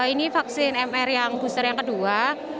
ini vaksin mr yang booster yang kedua